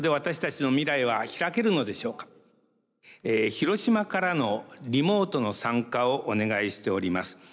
広島からのリモートの参加をお願いしております